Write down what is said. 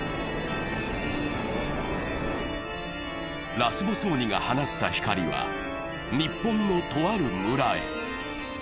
ラスボス鬼が放った光は、日本のとある村へ。